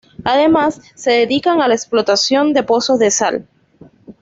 Además se dedican a la explotación de pozos de sal.